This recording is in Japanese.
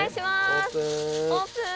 オープン。